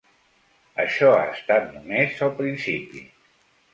Això ha estat només el principi.